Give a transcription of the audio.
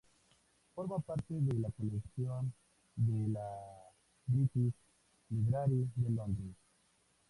Forma parte de la colección de la British Library de Londres.